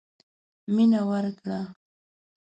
مينه ورکړه.